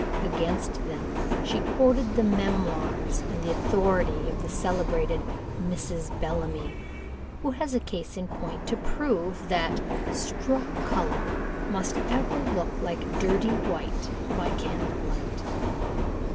Against them she quoted the memoirs and authority of the celebrated Mrs. Bellamy, who has a case in point to prove that "straw colour must ever look like dirty white by candlelight."